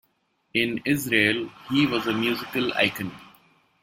In Israel, he was a musical icon.